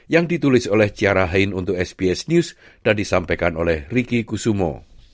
yang ditulis oleh ciara hein untuk sbs news dan disampaikan oleh ricky kusumo